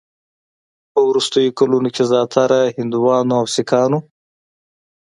په وروستیو کلونو کې زیاتره هندوانو او سیکانو